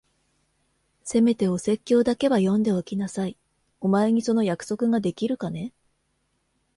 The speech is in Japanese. せめてお説教だけは読んでおきなさい。お前にその約束ができるかね？